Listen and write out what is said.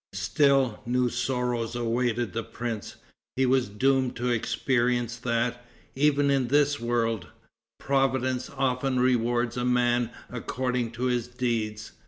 Still new sorrows awaited the prince. He was doomed to experience that, even in this world, Providence often rewards a man according to his deeds.